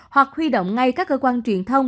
hoặc huy động ngay các cơ quan truyền thông